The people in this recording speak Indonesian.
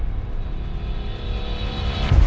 tante tenang aja ya